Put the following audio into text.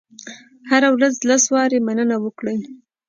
هره ورځ لس وارې مننه وکړئ.